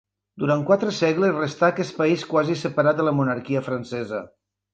Durant quatre segles restà aquest país quasi separat de la monarquia francesa.